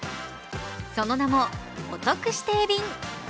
その名もおトク指定便。